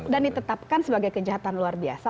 dan ditetapkan sebagai kejahatan luar biasa